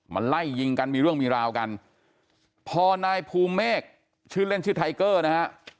ไล่ยิงกันมีเรื่องมีราวกันพอนายภูเมฆชื่อเล่นชื่อไทเกอร์นะฮะ